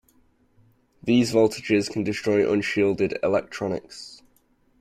These voltages can destroy unshielded electronics.